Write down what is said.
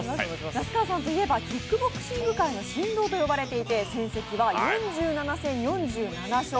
那須川さんと言えばキックボクシング界の神童と言われていて戦績は４７戦４７勝。